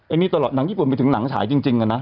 อันนี้ตลอดหนังญี่ปุ่นไปถึงหนังฉายจริงนะ